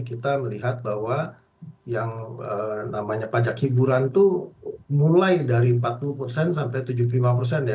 kita melihat bahwa yang namanya pajak hiburan itu mulai dari empat puluh persen sampai tujuh puluh lima persen ya